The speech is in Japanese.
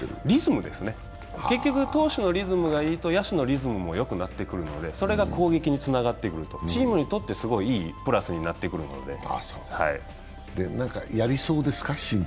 リズムですね、結局、投手のリズムがいいと、野手のリズムもよくなってくるので、それが攻撃につながってくると、チームにとってすごいいいプラスになってくるので。